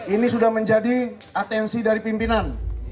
ini sudah menjadi atensi dari pimpinan